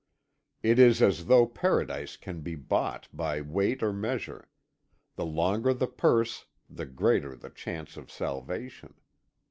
It is as though paradise can be bought by weight or measure; the longer the purse the greater the chance of salvation.